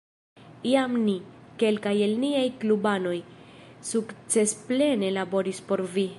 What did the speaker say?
Jam ni, kelkaj el niaj klubanoj, sukcesplene laboris por vi.